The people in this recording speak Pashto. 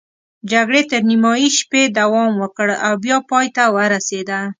جګړې تر نیمايي شپې دوام وکړ او بیا پای ته ورسېده.